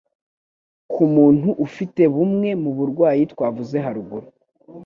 ku muntu ufite bumwe mu burwayi twavuze haruguru,